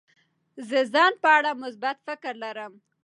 زه د ځان په اړه مثبت فکر لرم.